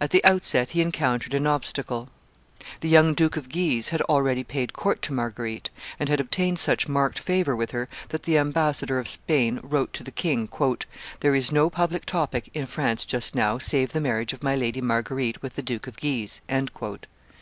At the outset he encountered an obstacle. The young Duke of Guise had already paid court to Marguerite, and had obtained such marked favor with her that the ambassador of Spain wrote to the king, "There is no public topic in France just now save the marriage of my Lady Marguerite with the Duke of Guise."